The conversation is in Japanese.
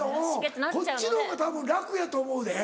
こっちのほうがたぶん楽やと思うで。